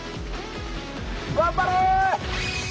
頑張れ！